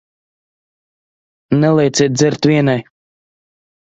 Nelieciet dzert vienai.